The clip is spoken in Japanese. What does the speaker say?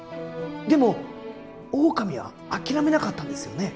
でもオオカミは諦めなかったんですよね？